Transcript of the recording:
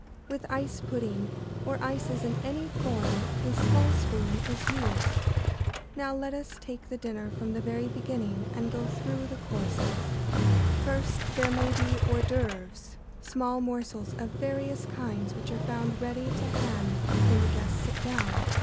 With ice pudding or ices in any form a small spoon is used. Now let us take the dinner from the very beginning, and go through the courses. [Sidenote: The courses seriatim.] [Sidenote: Hors d'œuvres.] First, there may be hors d'œuvres, small morsels of various kinds which are found ready to hand when the guests sit down.